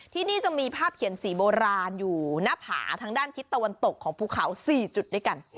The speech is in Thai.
ที่นี่จะมีภาพเขียนสีโบราณอยู่หน้าผาทางด้านทิศตะวันตกของภูเขา๔จุดด้วยกัน